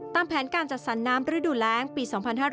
แผนการจัดสรรน้ำฤดูแรงปี๒๕๕๙